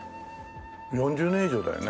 ４０年以上だよね。